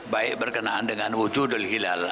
baik berkenaan dengan wujudul hilal